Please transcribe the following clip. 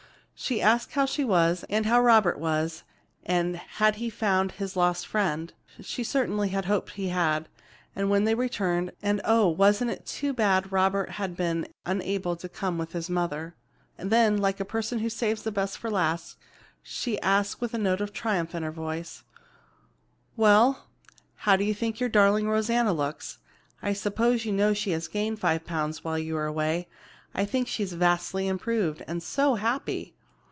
She asked how she was, and how Robert was, and had he found his lost friend, and she certainly hoped he had, and when had they returned, and oh, wasn't it too bad Robert had been unable to come with his mother? Then like a person who saves the best to the last, she asked with a note of triumph in her voice: "Well, how do you think your darling Rosanna looks? I suppose you know she has gained five pounds while you were away. I think she is vastly improved. And so happy!